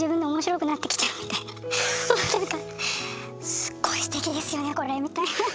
「すっごいすてきですよねこれ」みたいな。